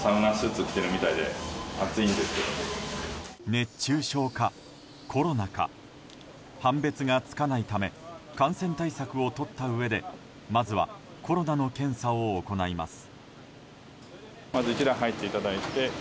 熱中症かコロナか判別がつかないため感染対策をとったうえでまずはコロナの検査を行います。